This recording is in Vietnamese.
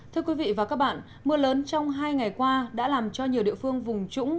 thưa quý vị và các bạn mưa lớn trong hai ngày qua đã làm cho nhiều địa phương vùng trũng